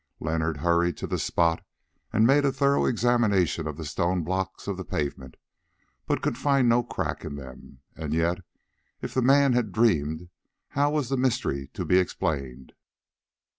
Leonard hurried to the spot and made a thorough examination of the stone blocks of the pavement, but could find no crack in them. And yet, if the man had dreamed, how was the mystery to be explained?